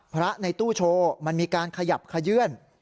พระในตู้โชว์มันมีการขยับขยื่น